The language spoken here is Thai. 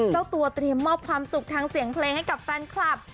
เจ้าตัวเตรียมมอบความสุขทางเสียงเพลงให้กับแฟนคลับ